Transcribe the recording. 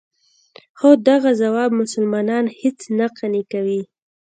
خو دغه ځواب مسلمانان هېڅ نه قانع کوي.